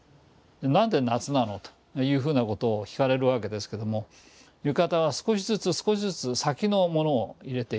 何で夏なの？というふうなことを聞かれるわけですけども浴衣は少しずつ少しずつ先のものを入れていく。